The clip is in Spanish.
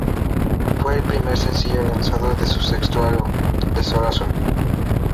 Fue el primer sencillo lanzado de su sexto álbum "De Sol a Sol".